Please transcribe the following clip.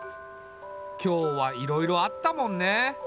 今日はいろいろあったもんね。